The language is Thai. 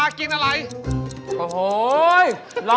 การตอบคำถามแบบไม่ตรงคำถามนะครับ